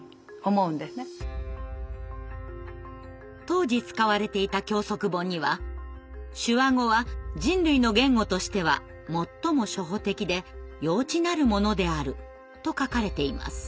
当時使われていた「教則本」には「手話語は人類の言語としては最も初歩的で幼稚なるものである」と書かれています。